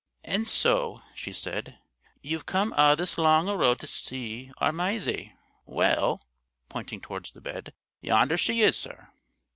"And so," she said, "you've come a' this lang road too see our Mysie. Well," pointing towards the bed, "yonder she is, sir."